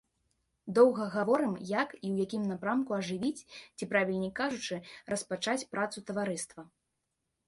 Доўга гаворым, як і ў якім напрамку ажывіць ці, правільней кажучы, распачаць працу таварыства.